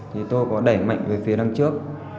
thì tôi có đẩy mạnh về phía đằng trước